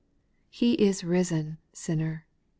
He is risen, sinner.